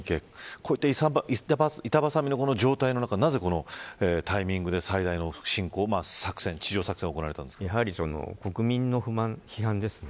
こういった板挟みの状態の中なぜこのタイミングで最大の侵攻、作戦国民の不満、批判ですね。